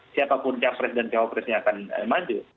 siapapun jafret dan jawa presnya akan maju